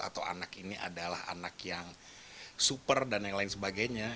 atau anak ini adalah anak yang super dan yang lain sebagainya